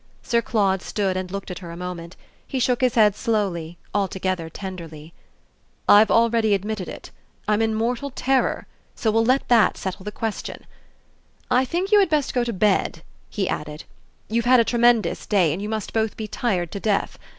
Sir Claude stood and looked at her a moment; he shook his head slowly, altogether tenderly. "I've already admitted it I'm in mortal terror; so we'll let that settle the question. I think you had best go to bed," he added; "you've had a tremendous day and you must both be tired to death.